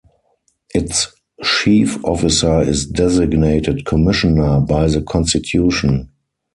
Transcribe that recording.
Its chief officer is designated "Commissioner" by the Constitution.